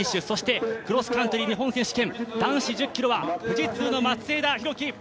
そして、クロスカントリー日本選手権男子１０ｋｍは富士通の松枝博輝